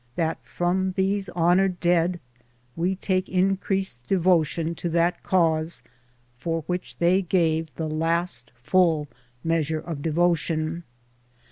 . .that from these honored dead we take increased devotion to that cause for which they gave the last full measure of devotion.